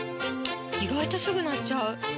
意外とすぐ鳴っちゃう！